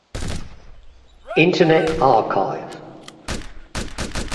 Internet Archive.